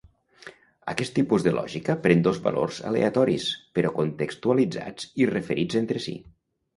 Aquest tipus de lògica pren dos valors aleatoris, però contextualitzats i referits entre si.